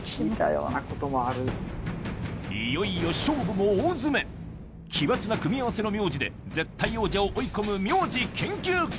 いよいよ勝負も大詰め奇抜な組み合わせの名字で絶対王者を追い込む名字研究家